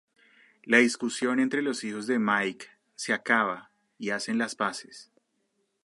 La discusión entre los hijos de Mike se acaba y hacen las paces.